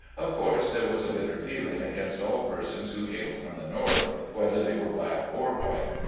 Of course there was a bitter feeling against all persons who hailed from the North, whether they were black or white.